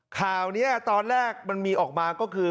ข่าวนี้ตอนแรกมันมีออกมาก็คือ